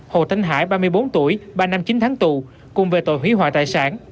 hồ thanh hải ba mươi bốn tuổi ba năm chín tháng tù cùng về tội hủy hòa tài sản